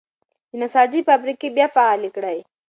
د نساجۍ فابریکې بیا فعالې کړئ.